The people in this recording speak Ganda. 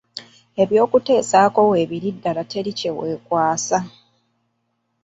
Eby'okuteesaako weebiri ddala teri kye weekwasa.